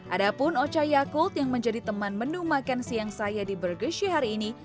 ada pun ocha yaakult yang menjadi teman menu makan siang saya di bergeshi hari ini